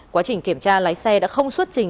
quá trình kiểm tra lái xe đã không xuất trình